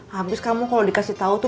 habis kamu kalo dikasih tau tuh